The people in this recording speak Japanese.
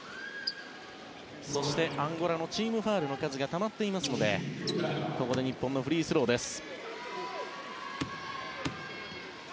そして、アンゴラのチームファウルの数がたまっていますのでここで日本のフリースローです。